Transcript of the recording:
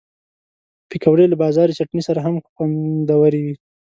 پکورې له بازاري چټني سره هم خوندورې وي